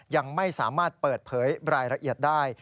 ยังไม่สามารถเปิดเผยรายละเอียดได้